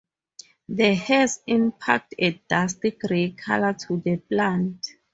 The hairs impart a dusty gray color to the plant.